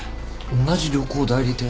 同じ旅行代理店？